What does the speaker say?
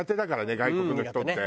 外国の人って。